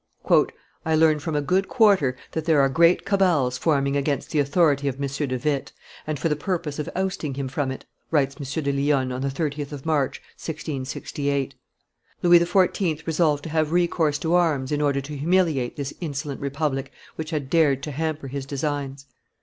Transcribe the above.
"I learn from a good quarter that there are great cabals forming against the authority of M. de Witt, and for the purpose of ousting him from it," writel M. de Lionne on the 30th of March, 1668; Louis XIV. resolved to have recourse to arms in order to humiliate this insolent republic which had dared to hamper his designs.